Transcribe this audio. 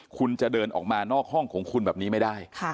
คุณจะเดินออกมานอกห้องของคุณแบบนี้ไม่ได้